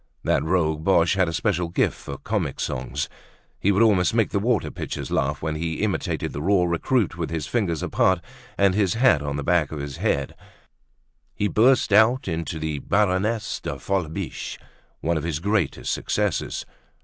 That rogue Boche had a special gift for comic songs. He would almost make the water pitchers laugh when he imitated the raw recruit with his fingers apart and his hat on the back of his head. Directly after "The Volcano of Love," he burst out into "The Baroness de Follebiche," one of his greatest successes.